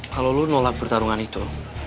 kalau lu nolak pertarungan itu